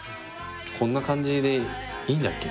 こんな感じでいいんだっけ？